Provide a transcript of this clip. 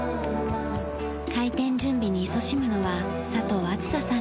開店準備にいそしむのは佐藤梓さんです。